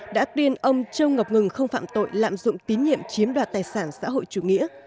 đã tuyên ông châu ngọc ngừng không phạm tội lạm dụng tín nhiệm chiếm đoạt tài sản xã hội chủ nghĩa